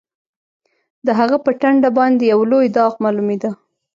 د هغه په ټنډه باندې یو لوی داغ معلومېده